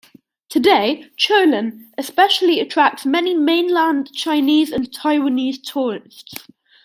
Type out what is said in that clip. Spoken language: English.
Today, Cholon especially attracts many Mainland Chinese and Taiwanese tourists.